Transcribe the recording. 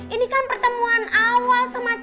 ini kan pertemuan awal sama camar